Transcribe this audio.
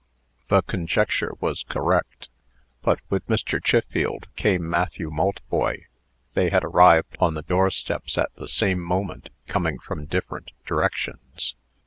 The conjecture was correct. But with Mr. Chiffield came Matthew Maltboy. They had arrived on the door steps at the same moment, coming from different directions.